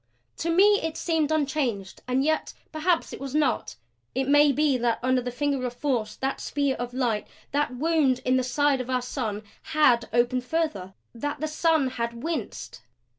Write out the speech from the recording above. To me it seemed unchanged and yet perhaps it was not. It may be that under that finger of force, that spear of light, that wound in the side of our sun HAD opened further That the sun had winced!